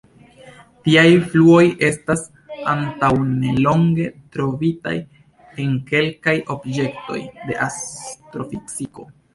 Tiaj fluoj estas antaŭnelonge trovitaj en kelkaj objektoj de astrofiziko.